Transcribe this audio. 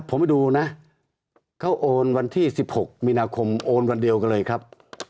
ผมไปดูนะเขาโอนวันที่๑๖มีนาคมโอนวันเดียวกันเลยครับ